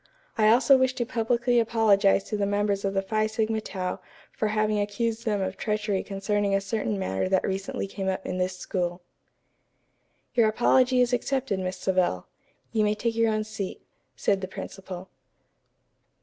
I also wish to publicly apologize to the members of the Phi Sigma Tau for having accused them of treachery concerning a certain matter that recently came up in this school." "Your apology is accepted, Miss Savell. You may take your own seat," said the principal.